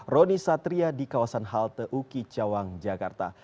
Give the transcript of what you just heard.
roni satria di kawasan halte uki cawang jakarta